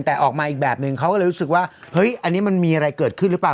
แต่ออกมาอีกแบบนึงเขาก็เลยรู้สึกว่าเฮ้ยอันนี้มันมีอะไรเกิดขึ้นหรือเปล่า